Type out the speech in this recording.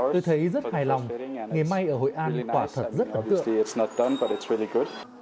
tôi thấy rất hài lòng ngày may ở hội an quả thật rất đáng tượng